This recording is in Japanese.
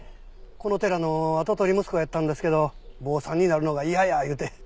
この寺の跡取り息子やったんですけど坊さんになるのが嫌や言うて。